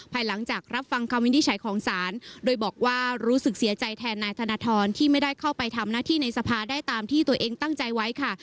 ภายหลังจากรับฟังคำวินิจฉัยของศาลโดยบอกว่ารู้สึกเสียใจแทนนายธนทรที่ไม่ได้เข้าไปทำหน้าที่ในสภาได้ตามที่ตัวเองตั้งใจไว้ค่ะ